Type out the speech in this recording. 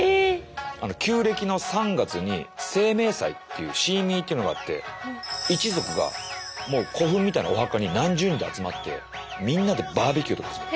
旧暦の３月に清明祭っていうシーミーっていうのがあって一族が古墳みたいなお墓に何十人と集まってみんなでバーベキューとか始める。